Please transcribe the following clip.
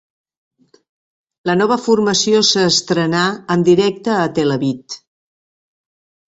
La nova formació s'estrenà en directe a Tel Aviv.